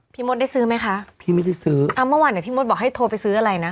มดได้ซื้อไหมคะพี่ไม่ได้ซื้ออ่าเมื่อวานเนี้ยพี่มดบอกให้โทรไปซื้ออะไรนะ